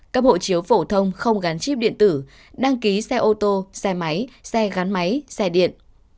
cấp hộ chiếu phổ thông không gắn chip điện tử đăng ký xe ô tô xe máy xe gắn máy xe điện